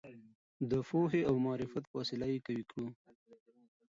د پوهې او معرفت په وسیله یې قوي کړو.